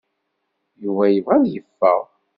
Yuba yebɣa ad yeffeɣ.